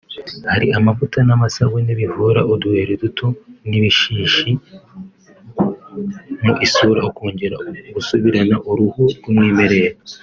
Hari amavuta n’amasabune bivura uduheri duto n’ibishishi byo mu isura ukongera gusubirana uruhu rw’umwimerere